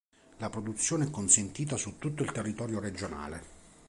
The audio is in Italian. La produzione è consentita su tutto il territorio regionale.